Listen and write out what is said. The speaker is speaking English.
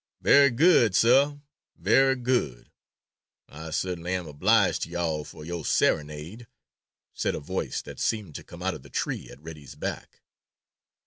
"Very good, Sah, very good. Ah cert'nly am obliged to yo'all for yo' serenade," said a voice that seemed to come out of the tree at Reddy's back.